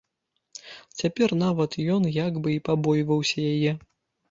Цяпер нават ён як бы і пабойваўся яе.